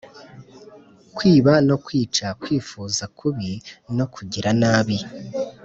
Kwiba no kwica kwifuza kubi no kugira nabi